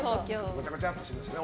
ごちゃごちゃっとしてましたね